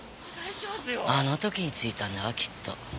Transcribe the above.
あの時についたんだわきっと。